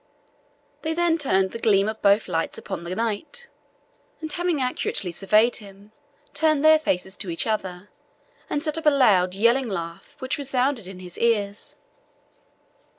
They then turned the gleam of both lights upon the knight, and having accurately surveyed him, turned their faces to each other, and set up a loud, yelling laugh, which resounded in his ears.